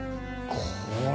これ。